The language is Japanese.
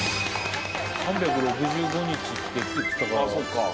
３６５日って言ってたから。